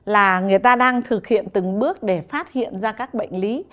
là người ta đang thực hiện từng bước để phát hiện ra các bệnh lý